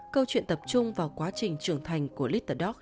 câu chuyện tập trung vào quá trình trưởng thành của little dog